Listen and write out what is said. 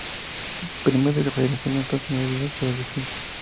Premio de la Federación Internacional de Archivos del Film.